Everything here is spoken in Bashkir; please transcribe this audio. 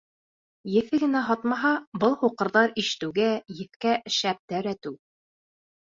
Еҫе генә һатмаһа, был һуҡырҙар ишетеүгә, еҫкә шәптәр әтеү.